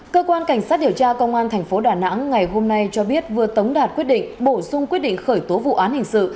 cơ quan cảnh sát điều tra công an thành phố đà nẵng ngày hôm nay cho biết vừa tống đạt quyết định bổ sung quyết định khởi tố vụ án hình sự